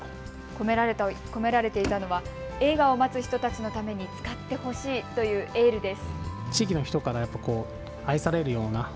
込められていたのは映画を待つ人たちのために使ってほしいというエールです。